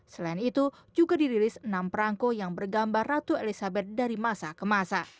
selain itu juga dirilis enam perangko yang bergambar ratu elizabeth dari masa ke masa